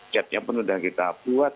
chatnya pun sudah kita buat